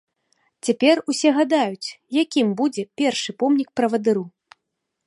Цяпер усе гадаюць, якім будзе першы помнік правадыру.